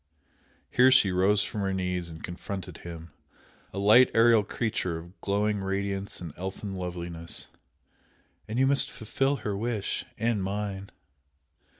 Here she rose from her knees and confronted him, a light aerial creature of glowing radiance and elfin loveliness "And you must fulfil her wish and mine!"